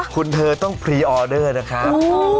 คุณเธอต้องพรีออเดอร์นะครับ